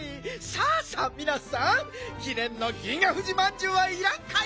さあさあみなさんきねんの銀河フジまんじゅうはいらんかえ？